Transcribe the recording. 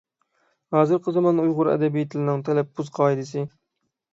ھازىرقى زامان ئۇيغۇر ئەدەبىي تىلىنىڭ تەلەپپۇز قائىدىسى